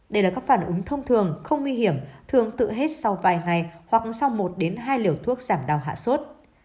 đây là các phản ứng thông thường không nguy hiểm thường tự hết sau vài ngày hoặc sau một hai liều thuốc giảm đau hạ sốt